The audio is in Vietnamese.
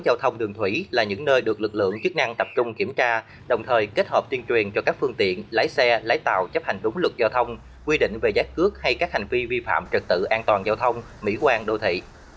giao thông đường thủy là những nơi được lực lượng chức năng tập trung kiểm tra đồng thời kết hợp tuyên truyền cho các phương tiện lái xe lái tàu chấp hành đúng luật giao thông quy định về giá cước hay các hành vi vi phạm trật tự an toàn giao thông mỹ quan đô thị